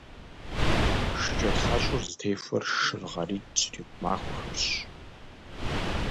ШыкӀэтхьэщӀыр зытехуэр шыр гъэритӀ щрикъу махуэхэрщ.